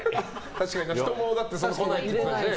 確かに人も来ないって言ってたしね。